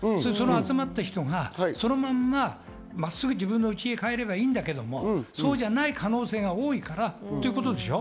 その集まった人がそのまま真っすぐ自分の家へ帰ればいいんだけれど、そうじゃない可能性が多いからということでしょ。